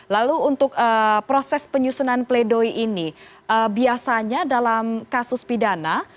lalu untuk proses penyusunan pledoi ini biasanya dalam kasus pidana